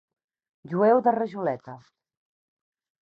Jueu de rajoleta.